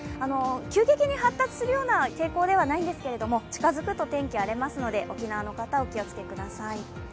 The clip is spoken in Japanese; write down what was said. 急激に発達するような傾向ではないんですけど、近づくと天気は荒れますので沖縄の方はお気をつけください。